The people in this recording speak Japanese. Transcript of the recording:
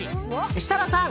設楽さん